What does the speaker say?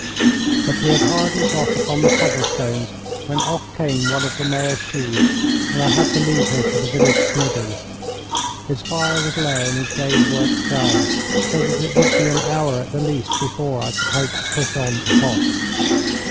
But we had hardly got upon the cobblestones when off came one of the mare's shoes, and I had to lead her to the village smithy. His fire was low, and his day's work done, so that it would be an hour at the least before I could hope to push on to Hof.